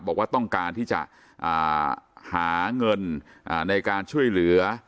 บอกว่าต้องการที่จะหาเงินในการช่วยเหลือ